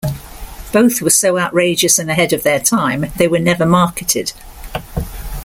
Both were so outrageous and ahead of their time, they were never marketed.